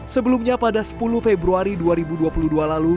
sebelumnya pada sepuluh februari dua ribu dua puluh dua lalu